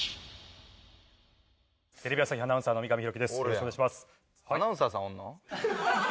テレビ朝日アナウンサーの三上大樹です。